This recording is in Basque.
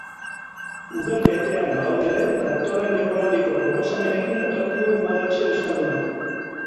Uda betean bagaude ere, datorren denboraldiko proposamenekin datorkigu moda etxe euskalduna.